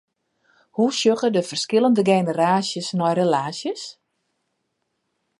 Hoe sjogge de ferskillende generaasjes nei relaasjes?